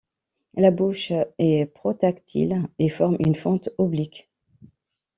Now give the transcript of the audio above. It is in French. La bouche est protractile et forme une fente oblique.